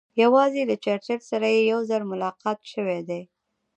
یوازې له چرچل سره یې یو ځل ملاقات شوی دی.